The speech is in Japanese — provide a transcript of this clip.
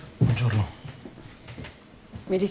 どうも。